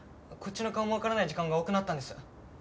こっちの顔もわからない時間が多くなったんです。